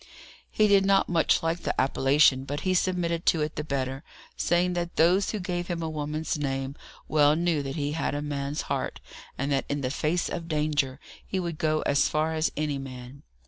He did not much like the appellation, but he submitted to it the better, saying that those who gave him a woman's name well knew that he had a man's heart, and that in the face of danger he would go as far as any man.